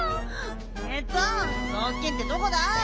えっとぞうきんってどこだ？